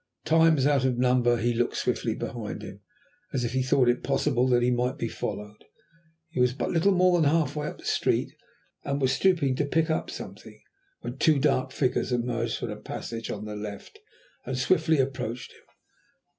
Times out of number he looked swiftly behind him, as if he thought it possible that he might be followed. He was but little more than half way up the street, and was stooping to pick up something, when two dark figures emerged from a passage on the left, and swiftly approached him.